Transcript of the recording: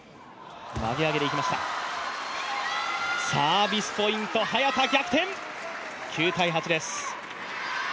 サービスポイント、早田逆転、９−８です。